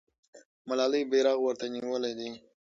ملالۍ بیرغ ورته نیولی دی.